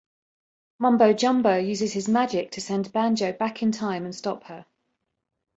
Mumbo Jumbo uses his magic to send Banjo back in time and stop her.